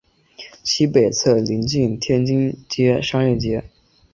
其北侧则邻近天津街商业街。